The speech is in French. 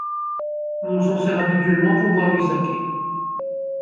On s'en sert habituellement pour boire du saké.